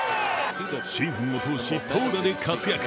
シーズンを通し投打で活躍。